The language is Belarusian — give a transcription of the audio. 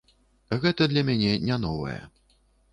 Гэта для мяне не новае.